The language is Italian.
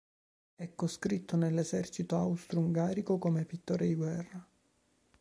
È coscritto nell'esercito austro-ungarico come pittore di guerra.